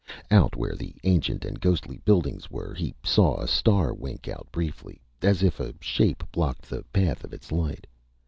Out where the ancient and ghostly buildings were, he saw a star wink out briefly, as if a shape blocked the path of its light.